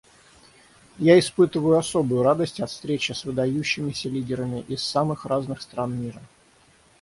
Я испытываю особую радость от встречи с выдающимися лидерами из самых разных стран мира.